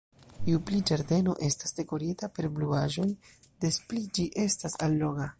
Ju pli ĝardeno estas dekorita per bluaĵoj, des pli ĝi estas alloga.